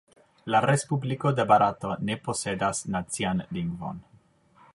La Respubliko de Barato ne posedas nacian lingvon.